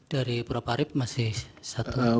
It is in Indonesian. dari purwoparib masih satu